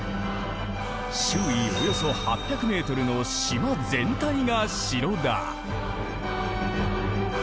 周囲およそ８００ｍの島全体が城だ。